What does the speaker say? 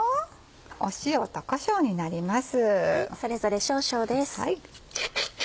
塩とこしょうになります。